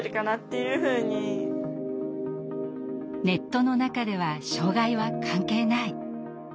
ネットの中では障害は関係ない。